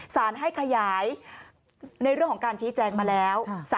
สารให้ขยายในเรื่องของการชี้แจงมาแล้ว